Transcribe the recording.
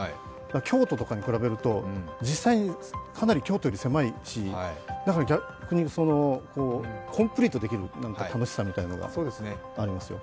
京都とかに比べると、実際にかなり京都より狭いしコンプリートできる楽しさみたいなのがあるんですよ。